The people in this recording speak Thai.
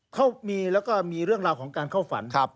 เขามีแล้วก็มีเรื่องราวของการเข้าฝัน